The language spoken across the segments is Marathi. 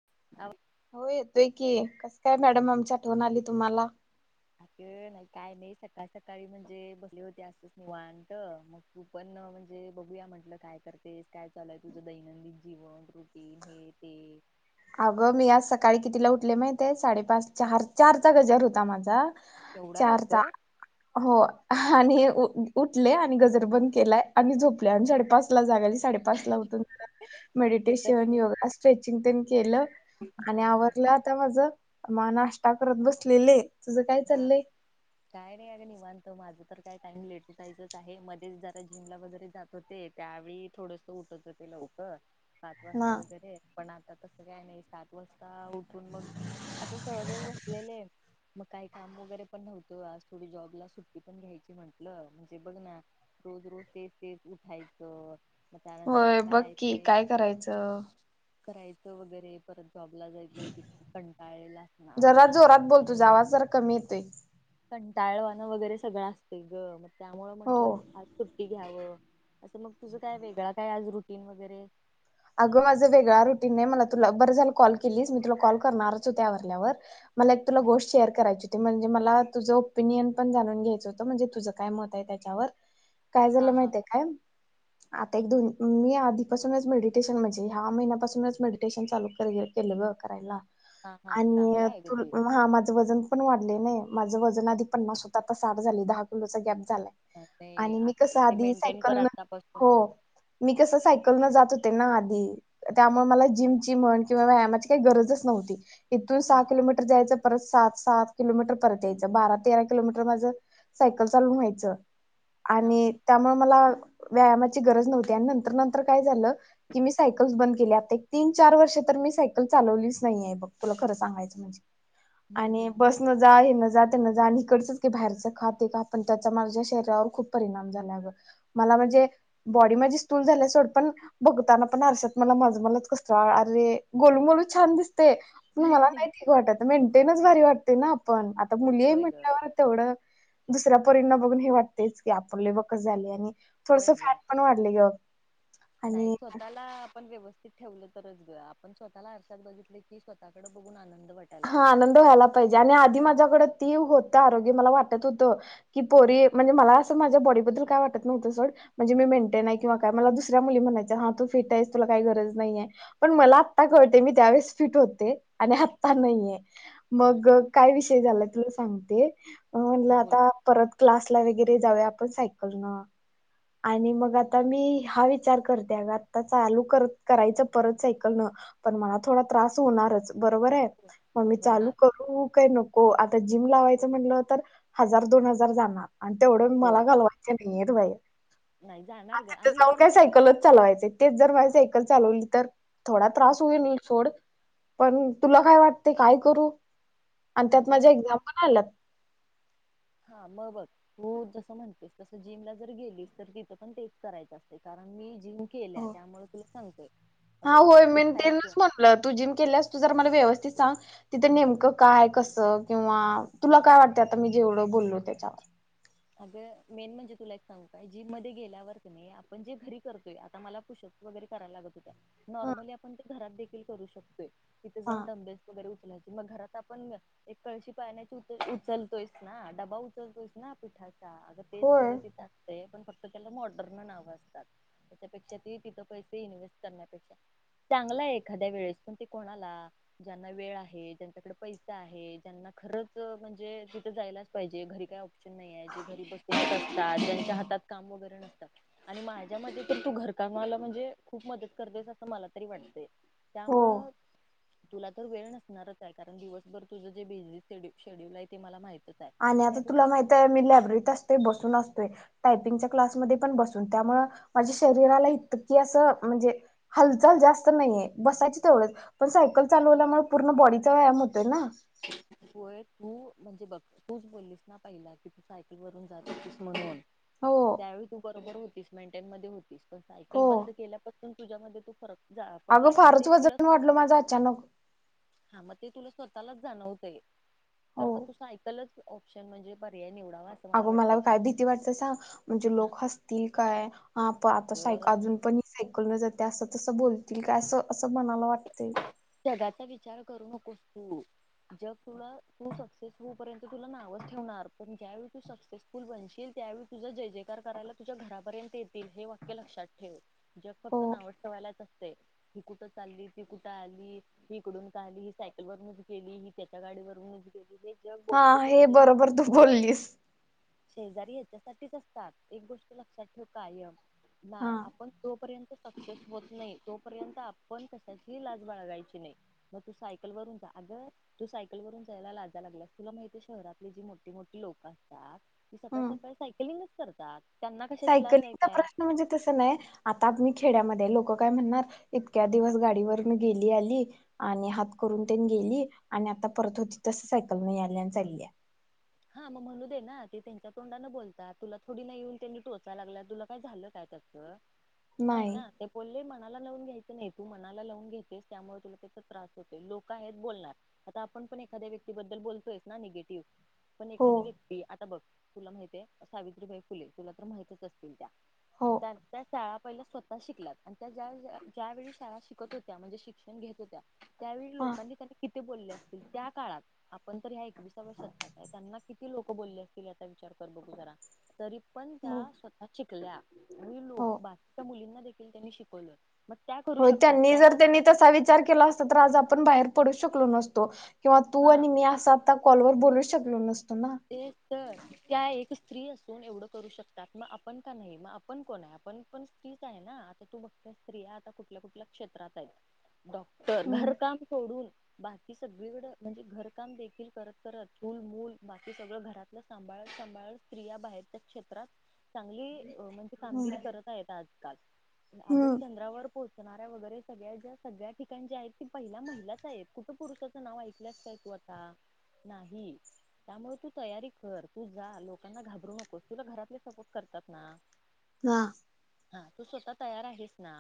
[unintelligible] हो येतोय की. कस काय मॅडम आमच्या आठवन आली तुम्हाला? अगं नाही काय नाही सकाळ सकाळी म्हणजे बसले होते असच निवांत मग तू पण म्हणजे बघूया म्हंटलं काय करतेस, काय चाललय, तुझं दैनंदिन जीवन, रुटीन हे ते. अगं मी आज सकाळी कितीला उठले माहितय साडेपाच चार चारचा गजर होता माझा. एवढा चार लवकर तास [inaudible] हो आणि उठले आणि गजर बंध केलाय आणि झोपल्या आणि साडे पाच ला जाग साडे पाच ला हे तर मडटेशन योगा स्ट्रेचिंग केलं आणि हा हा आवरलं आता माझ मा [inaudible] नाश्ता करत बसलेले तुझं काय हा चाललंय? काय नाही अग निवांत माझं तर काय टाइम लेट जायच आहे मध्येच जरा जिमला वगैरे जात होते त्यावेळी थोडंस उठत होते लवकर पाच म वाजता वगरे पण आ तस काय नाही सात वाजता उठून मग असं सहजव बसलेलं आहे मग काय काम वगैरे पण नव्हतं आज थोडी जॉबला सुट्टी पण घ्यायची म्हटलं म्हणजे बघ ना रोज- रोज ते- ते उठायचं मग त्यानंतर होय काय बघ आहे की ते काय करायचं करायचं वगैरे परत जॉब ला जायचं त कंटाळे ला असणार [inaudible] यायचं ते कणटाळवाणं वगैरे सगळं असते गं मग त्यामुळे हो. म्हंटलं आ घ्यावं असं मग तुझं काय वेगळा काय आज रुटीन वगैरे? अगं माझं वेगळ्या रुटीनने मला तुला बर झालं कॉल केली मी तुला कॉल करणारच होते आवरल्यावर मला एक तुला गोष्ट शेअर करायची ते म्हणजे मला तुझं ओपिनियन पण जाणून घ्यायचं होतं म्हणजे तुझं काय मत आहे त्याच्यावर काय हा झालं हा माहितय काय आता एक दोन मी आधीपासूनच मिळे म्हणजे ह्या महिन्यापासूनच मेडिटेशन चालू केलं करायला हा हा आणि चांगला आहे ग तु ते हा माझं वजन पण वाढले नाही माझं वजन आधी पन्ना स्वत आता साठ झाली दहा किलोचा अ, ते गॅप मी आता कस ते आधी मेंटेन कर सायकल हो आतापासूनच मी कस सायकल जात ना आधी त्यामुळे मला जिमची म्हण किंवा व्यायामाची काही गरजच नव्हती इथून सहा हा किलोमीटर जायचं परत सात- सात किलोमीटर परत यायचं बारा तेरा किलोमीटर माझं सायकल चालवून व्हायचं हा आणि त्यामुळे मला व्यायामाची गरज नव्हती आणि नंतर -नंतर काय झालं की मी सायकल्स बंद केली आता एक तीन चार वर्ष तर मी सायकल चालवलीच नाहीये बघ तुला खरं सांगायचं म्हणजे हम्म आणि हम्म हम्म बस न जा हे न जात इकडच बाहेर खात हे खा ते खा माझ्या शरीरावर खूप परीनाम झाला मला [inaudible] म्हणजे बॉडी माझी स्थूल झाल्या सोड बघताना पण आरश्याात मला माझं मलाच कसत अरे गोलूमोलू छान दिसत ते पण मला नाही ठीक वाटयत मेंटेनच भारी वाटते ना आपण आता मुली होय ग म्हटल्यावर तेवढं दुसऱ्या पोरींना बघून हे वाटतेच की आपले बघत झाले आणि थोडस होय ग फॅट पण वाढले गं नाही [inaudible] स्वतःला पण व्यवस्थित ठेवलं तरच आपण स्वतःला आरशात बघितले की स्वःकडे बघून आनंद वाटायला हा पाहिजे आनंद व्हायला पाहिजे आणि आधी माझ्याकडे ती होत आरोग्य मला वाटत होतं की पोरी म्हणजे मला असं माझ्या बॉडीबद्दल काय वाटत नव्हतं सोड म्हणजे मी मेंटेन हाय किंवा काय मला दुसऱ्या मुली म्हणायच्या हा तू फिट आहेस तुला काही गरज नाही य पण मला आता कळताय मी त्यावेळेस फिट होते आणि नाहीये मग नाही काय विषय झालाय तुला सांगते म म्हटलं बोल आता परत क्लास ला वगैरे जाऊया आपण सायकलन आणि मग आता मी हा विचार करते अगं आता चालू कर करायच परत सायकल न पण मला थोडा त्रास होणारच बरोबर आहे मग मी चालू होणार करू काय नको हो आता जिम लावायचं म्हटलं तर हजार दोन हजार जाणार आणि तेवढं होय मला जा घालवायचें नाही यत बाई नाही जाणार ग आता तिथे आणि जाऊन जर काय तू सायकलच चालवायचे तेच जर माझ [unintelligible] सायकल चालवली तर थोड त्रास होइल सोड पण तुला काय वाट ते काय करू आणि त्यात माझ्या अगं एक्झाम पण आल्यात हा मग बघ तू जसं म्हणतीस तस जिमला जर गेलीस तर तिथं पण तेच करायचं असतय कारण मी जिम केल्या हो त्यामुळे तुला सांगतोय हे हा बघ होय मी न तेन उठायचं म्हणल तु जीम केल्यास तू जरा मला व्यवस्थित ते सांग तिथं नेमकं काय कसं किंवा तुला काय वाटत आता मी जेवढं बोललो त्याच्यावर अगं मेन म्हणजे तुला एक सांगू काय जीम मध्ये गेल्यावर क नाही आपण जे घरी करतोय आता मला पुश अप्स वगैरे करायला लागत होतं ह नाॅर्मली आपण ते घरात देखील करु शकतोय तिथं हा जाऊन डंबेल्स वैगैरे उचलायचं मग घरात आपण एक कळशी पाळण्याची उचलतोयच ना डबा उचलतोयस ना पिठाचा अग तेच होय सगळं तिथ असतय पण फक्त त्याला मॉडर्न नावं असतात त्याच्यापेक्षा त तिथं पैसे इन्व्हेस्ट करण्यापेक्षा चांगला आहे एखाद्या वेळेस पण ते कोणाला ज्यांना वेळ आहे ज्यांच्याकडे पैसा आहे ज्यांना खरच म्हणजे तिथं जायलाच पाहिजे घरी काय घरी बसूनच असतात ज्यांच्या हातात काम वगैरे नसतात आणि माझ्या मते तू घर काम - मला म्हणजे खूप मदत करतेस असं मला तरी वाटतय हो त्यामुळं तुला तर वेळ नसणारच आहे कारण दिवसभर तुझं जे बिझी से -शेड्यूल आहे ते मला माहिती आणि आता तुला माहित आहे मी लायब्ररीत असतोय बसून असतोय टायपिंगच्या क्लासमध्ये पण बसून त्यामुळं माझ्या शरीराला इतकी असं म्हणजे हालचाल जास्त नाहीये बसायचीच तेवढच पण सायकल चालवल्यामुळे पूर्ण बॉडीचा व्यायाम होतोय ना होय तू म्हणजे बघ तूच बोललीस ना पहिला की तू सायकल वरून जात होतीस म्हणून हो त्यावेळी तू बरोबर होतीस मेनटेनमध्ये होतीस पण सायकल हो बंद केल्यापासून तुझ्यामध्ये तो फरक अगं पडलाय मग ते फारच तुला वजन वाढल माझं अचानक हा मग ते तुला [unintelligible] स्वतःलाच जाणवतय तर हो मग तु सायकलच ऑप्शन म्हणजे पर्याय निवड अगं मला काय भीती वाटतेय सांग म्हणजे लोक हसतील काय हा प आता बघ सायक अजून पण सायकल न जात ते असं तसं बोलतील काय असं असं मनाला वाटतय जगाचा विचार करू नकोस तू जग तुला तू सक्सेस होऊ पर्यंत तुला नावच ठेवणार पण ज्यावेळी तू सक्सेसफुल बनशील त्यावेळी तुझा जय जयकार करायला तुझ्या घरापर्यंत येतील हे वाक्य लक्षात ठेव जग हो फक्त नाव ठेवायलाच असतय ती कुठं चालली ती कुठं आली इकडून का आली ही सायकल वरूनच गेली ही त्याच्या गाडीवरूनच गेली जग हा बोलतच हे असते. बरोबर तू बोललीस शेजारी हेच्यासाठीच असतात एक गोष्ट लक्षात ठेव कायम हा आपण जोपर्यंत सक्सेस होत नाही तोपर्यंत आपण कशाची लाज बाळगायची नाही मग तू सायकलवरून जा अगं तु सायकलवरून जायला लाजा लागल्यास तूला माहित हाय शह घरातले जी मोठी मोठी लोक असत्यात सकाळ हम्म सकाळी सायकलिंगच करतात त्यांना कशाची लाज आहे सायकलिंगचा काय प्रश्न म्हणजे तस नाही आता मी खेड्यामध्ये लोक काय म्हणणार इतक्या दिवस गाडीवरून गेली आली आणि हात करून तेन गेली आणि आता परत होती तस सायकल न याल्या आणि चाल्या ह हा मग म्हणू दे ना ते त्यांच्या तोंडां बोलतात तुला थोडी ना येऊन त्यांनी टोचायला लागलं तुला काय झालं काय तसं नाही ना ते बोलले मग मनाला लावून घ्यायच नाही तू मनाला लावून घेतेस त्यामुळे तुला त्याचा त्रास होतोय लोक आहेत बोलणार आता आपण पण एखाद्या व्यक्तीबद्दल बोलतोयस ना निगेटिव पण हो एखादी व्यक्ती आता बघ तुला माहित आहे सावित्रीबाई फुले तुला तर माहितच असतील हो तर त्या शाळत पहिल्या स्वतः शिकल्यात आणि त्या ज्या ज्या वेळी शाळा शिकत होत्या म्हणजे शिक्षण घेत होत्या त्यावेळी हा लोकांनी त्यांनी किती बोलले असतील त्या काळात आपण तर ह्या एकविसाव्या शकतात त्यांना किती लोक बोलले असतील आता विचार कर बघू जरा तरी पण हो त्या स्वतः शिकल्या म्ह लोक हो बाकीच्या मुलींना देखील त्यांनी शिकवलं. मग त्या करू हो शकतात त्यांनी त्या जर एक त्यांनी तसा विचार केला असत तर आज आपण बाहेर पडू शकलो नसतो. किंवा तू हा आणि मी असा आता कॉलवर बोलूच शकलो नसतो ना. ते तर का एक स्त्री असून एवढं करू शकतात मग आपण का नाही मग आपण कोण आहे आपण पण स्त्रीच आहे ना आता तू बघ स्त्रिया आता कुठल्या कुठल्या क्षेत्रात आहेत डॉक्टर हम्म घरकाम सोडून बाकी सगळीकड म्हणजे घरकाम देखील करत करत फूलमूल बाकी सगळं घरातलं सांभाळ सांभाळ स्त्रिया बाहेरच्या क्षेत्रात चांगली अ म्हणजे कामगिरी करत आहेत आजकाल आगर हम्म चंद्रावर पो कीणाऱ्या वगैरे सगळ्या ज्या सगळ्या ठिकाण्या आहेत ती पहिला महिलाच आहेत कुठं पुरुाचं नाव ऐकल्याच काय? होता नाही. त्यामुळे तू तयारी कर तू जा लोकांना घाबरू नकोस तुला घरातले सपोर्ट करतात ना हा हा तू स्वतः तयार आहेस. ना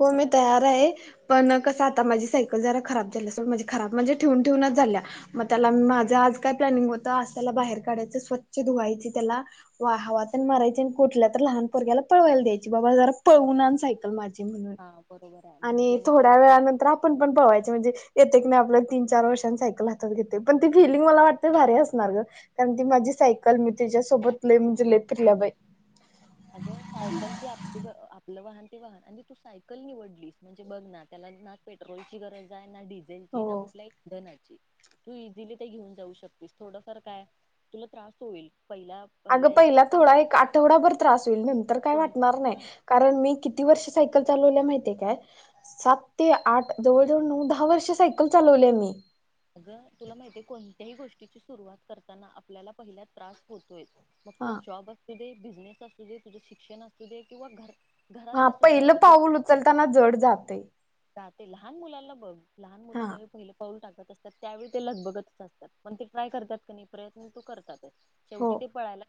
हो मग मी जगाचा तयार विचार आहे पण कस आता माझी सायकल जरा खराब त्या से खराब म्हणजे ठेवून ठेवूनच झाल्या मग त्याला माझं आज काय प्लॅनिंग होतं आ त्याला बाहर काढायचं. स्वच्छ धुवायची त्याला वा हवाच मारय आणि कुठल्या तर लहान पोरगयाला पळवायला द्यायची बाबा पडून आण सायकल. हा बरोबर आहे म्हणजे आणि थोड्या जेणेकरून वेळ थोड नंतर आपण पण पव्याच म्हणजे प्रत्य आपल्या तीन चार वर्षां सायकल हातात घेते पण ती फिलिंग मला वाटते भारी असणार ग कारण ती माझी सायकल मी त्याच्यासोबत ल म्हणजे लेपरल्या बाई अगं सायकल क आपली आपलं वाहन. वा तू सायकल निवडलीस म्हणजे बघ ना त्याला ना पेट्रोलची गरज आहे ना डझ हो कुठल्या एक धनाची तू इझिली ते घेऊन जाऊ शकतीस थोडंफार काय तुला त्रास होईल. पहिला अग एक पहिला थोडा पंधरा एक आठवडाभर त्रास होईल नंतर काय कोण वाटणार नाही हा कारण मी किती वर्ष सायकल चालावल आहे माहित आहेत काय सात ते आठ जवड़ जवड़ नउ दहा वर्ष चालवले मी अगं तुला माहिती आहे कोणत्याही गोष्टीची सुरुवात करताना आपल्याला पहिल्या त्रास होतोय. मग तो हा जॉब असू दे बिझनेस असू दे तुझं शिक्षण असू दे किंवा घर हा घरातलं सुद्धा पहिलं आता तू पाऊल उचलताना जड जातय. जे लहान मुलांना बघ लहान मुलं हा ज्यावेळी पहिले पाऊल टाकत. आता त्यावेळी ते लग बगतच असतात पण ते ट्राय करतात का नाही प्रयत्न तू करतात हो शेवटी ते पळायला.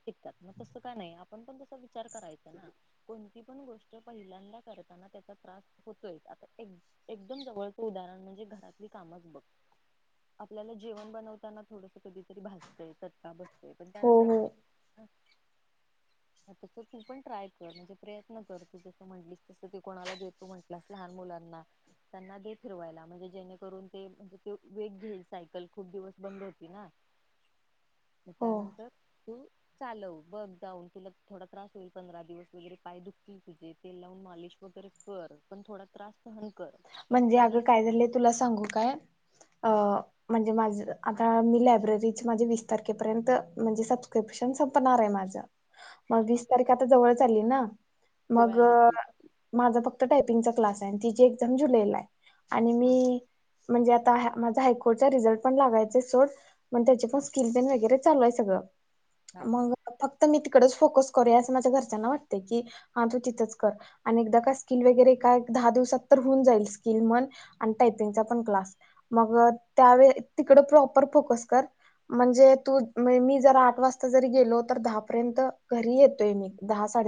तस का नाही आपण पण त विचार करायचा ना कोणती पण गोष्ट पहिल्या करताना त्याचा त्रास होतोय आता एकदम जवळचं उदाहरण म्हणजे घरातली कामच बघ. आपल्याला जेवण बनवताना थोडस कधीतरी भासतंय चटका बस. ते पण हो त्यानंतर हो आपण तस तू पण ट्राय कर म्हणजे प्रयत्न कर तू जस म्हटलीस तस त कोणाला देतो म्हटलास लहान मुलाना त्याना पण दे फिरवा म्हणज जेणे करुन वेघ घिन साय खूप दिवस होती ना हो त्यानंतर तू चालव बघ जाऊन तुला थोडा त्रास होईल पंधरा दिवस वगैरे पाय दुख तु ते लावून मालिश वगैरे कर पण थोडा त्रास सहन कर पण म्हणजे अग त्यानंतर काय झालं तुला सांगू काय हा म्हणजे माझ. आता मी लायब्ररीची माझे वीस तारखेपर्यंत म्हणजे सबस्क्रिप्शन संपणार आहे माझं. मग हा वीस तारीख आता जवळ चाली ना पोळी मग आली की माझ फक्त टायपिंगचा क्लास आहे तिच एग्जाम जुलैला आहे आणि हा हा मी म्हणजे आता माझा हायकोर्चा रिझल्ट पण लागायच सोडण त्या पण हा स्किल वगैरह चालूय सगळ हा हा मग फक्त मी परत फोकस कर अस माझ्या घरच्यांना वाटतय की हा तू तिथंच कर आणि एकदा का स्किल वगैरे काय? दहा दिवसात क् त प्र फोकस्कर म्हणजे तू मी जर आठ वाजता जरी गेलो तर दहापर्यंत घरी येतोय मी दहा [inaudible]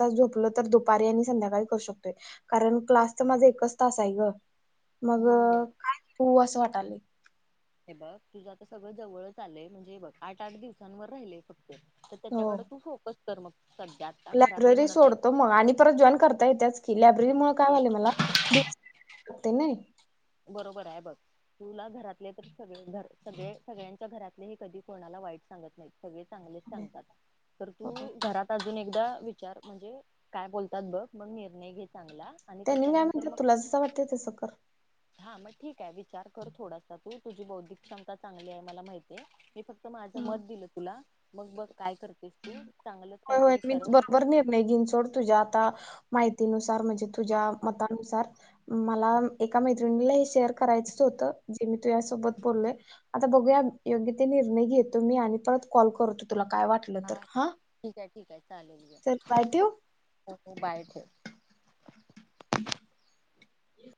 त झोपलं तर दुपारी आणि संध्याकाळी करू शकतोय कारण क्लास तर माझा एकच तास आहे ग मग हम्म बर काय हो असं वाटलं हे बघ तुझं आता सगळं जवळच आलंय म्हणजे हे बघ आठ आठ दिवसांवर राहिले फक्त तर हो त्याच्याकडे तू फोकस कर मग सध्या आता घरातले लायब्ररी म्हणत सोडतो आहेत मग आणि परत जॉईन करता य त्याच की लायब्ररी मु कायले एक मला दिवसग नाही बरोबर आहे बघ तुला घरातले तर सगळेर सगळे सगळ्यांच्या घरातलेही कधी कोणाला वाट चात त घ अ एकदा विचार म्हणजे काय बोलतात बघ म निर्णय घेत त्यांनी मी काय म्हणतात तुला जसं वाटतं तसं कर हा मग ठीक आहे विचार कर थोडासा तू तुझी बौद्धिक क्षमता चांगली आहे मला माहितीये मी फक्त माझं मत दिलं तुला मग बघ काय करतेस तू चांगलंच हो होय काहीतरी मी ठरव बरोबर निर्णय घेन सोड तुझ्या आता माहि म्हणजे तुझ्या मतानुसार मला एका शेअर करायच होत जे मी तू या सोबत बोललोय आता बघूया यो निर्य ेतो मी आणि परत कॉल करतो तुला काय वाटलं तर हा ठीक आहे ठीक आहे चालेल चल बाय ठेवू. हो बाय ठे ह